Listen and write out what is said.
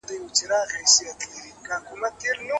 دا ډېر برابر دئ.